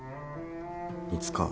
いつかは。